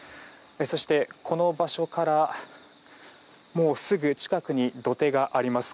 そして、この場所からすぐ近くに土手があります。